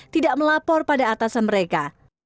tidak melapor pada atasan mereka